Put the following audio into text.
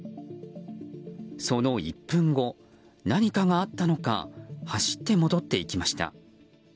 その１分後、何かがあったのか走って戻っていきました。